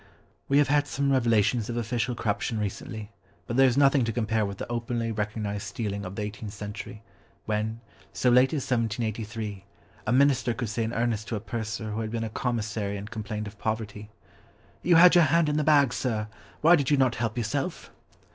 We have had some revelations of official corruption recently, but there is nothing to compare with the openly recognised stealing of the eighteenth century, when, so late as 1783, a minister could say in earnest to a purser who had been a commissary and complained of poverty, "You had your hand in the bag, sir, why did you not help yourself?"